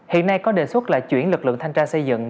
hiện nay có đề xuất là chuyển lực lượng thanh tra xây dựng